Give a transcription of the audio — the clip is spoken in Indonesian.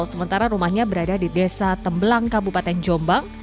sementara rumahnya berada di desa tembelang kabupaten jombang